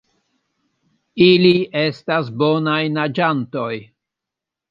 Ili estas bonaj naĝantoj.